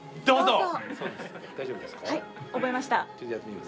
どうぞ！